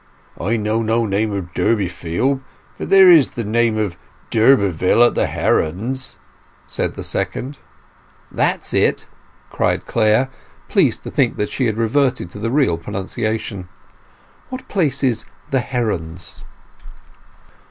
"I know no name of Durbeyfield; but there is the name of d'Urberville at The Herons," said the second. "That's it!" cried Clare, pleased to think that she had reverted to the real pronunciation. "What place is The Herons?"